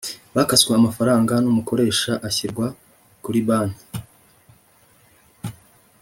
bakaswe amafaranga n Umukoresha ashyirwa kuri banki